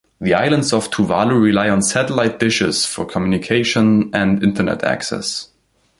The islands of Tuvalu rely on satellite dishes for communication and internet access.